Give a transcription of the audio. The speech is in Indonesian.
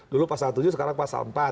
dulu pasal tujuh sekarang pasal empat